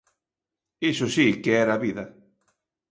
Iso si que era vida.